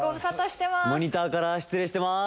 モニターから失礼してます。